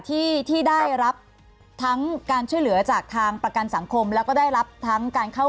ที่ที่ได้รับทั้งการช่วยเหลือจากทางประกันสังคมแล้วก็ได้รับทั้งการเข้า